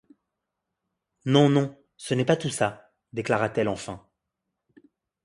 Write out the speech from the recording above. Non, non, ce n’est pas tout ça, déclara-t-elle enfin.